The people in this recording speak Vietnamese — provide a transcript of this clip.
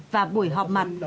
và buổi họp mặt